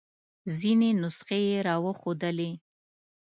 ځینې نسخې یې را وښودلې.